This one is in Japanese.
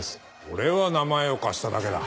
俺は名前を貸しただけだ。